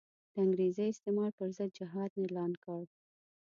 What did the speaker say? د انګریزي استعمار پر ضد جهاد اعلان کړ.